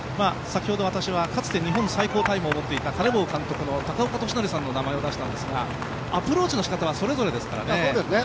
先ほど私はかつて日本最高記録を持っていたカネボウ監督の高岡寿成さんの名前を口に出したんですがアプローチの仕方はそれぞれですからね。